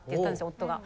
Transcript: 夫が。